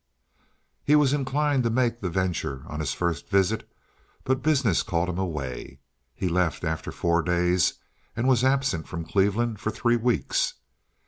He was inclined to make the venture on his first visit, but business called him away; he left after four days and was absent from Cleveland for three weeks.